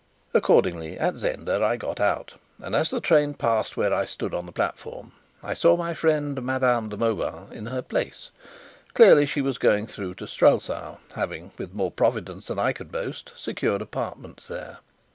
Accordingly at Zenda I got out, and as the train passed where I stood on the platform, I saw my friend Madame de Mauban in her place; clearly she was going through to Strelsau, having, with more providence than I could boast, secured apartments there.